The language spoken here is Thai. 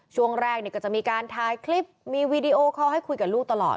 ช่วงแรกก็จะมีการถ่ายคลิปมีวีดีโอคอลให้คุยกับลูกตลอด